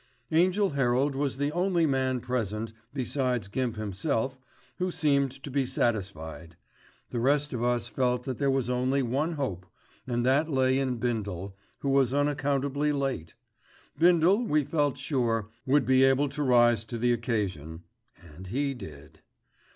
Angell Herald was the only man present, besides Gimp himself, who seemed to be satisfied. The rest of us felt that there was only one hope, and that lay in Bindle, who was unaccountably late. Bindle, we felt sure, would be able to rise to the occasion, and he did.